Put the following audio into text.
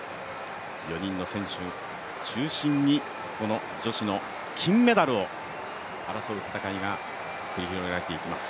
４人の選手を中心にこの女子の金メダルを争う戦いが繰り広げられていきます。